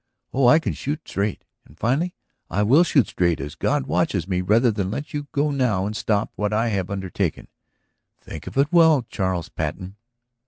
Oh, I can shoot straight! And finally, I will shoot straight, as God watches me, rather than let you go now and stop what I have undertaken! Think of it well, Charles Patten!"